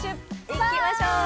行きましょう！